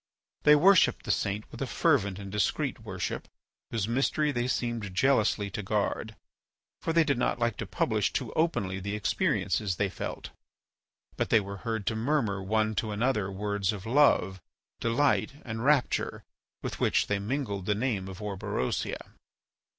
They worshipped the saint with a fervent and discreet worship whose mystery they seemed jealously to guard, for they did not like to publish too openly the experiences they felt. But they were heard to murmur one to another words of love, delight, and rapture with which they mingled the name of Orberosia.